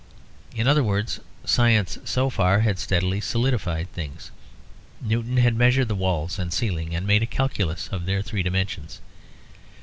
In other words, science so far had steadily solidified things; Newton had measured the walls and ceiling and made a calculus of their three dimensions.